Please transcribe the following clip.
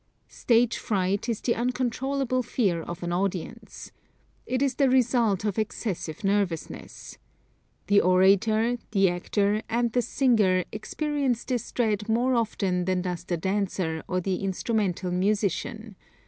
Stage fright is the uncontrollable fear of an audience. It is the result of excessive nervousness. The orator, the actor and the singer experience this dread more often than does the dancer or the instrumental musician.